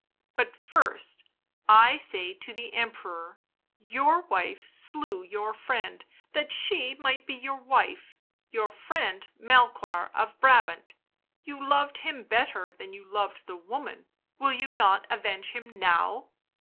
But first I say to the Emperor — your wife slew your friend that she might be your wife, your friend Melchoir of Brabant — you loved him better than you loved the woman — will you not avenge him now?"